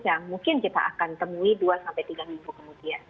yang mungkin kita akan temui dua tiga ribu kemudian